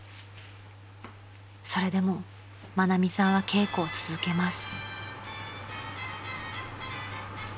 ［それでも愛美さんは稽古を続けます］